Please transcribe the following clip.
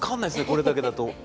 これだけだと。